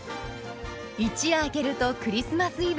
一夜明けるとクリスマスイブ。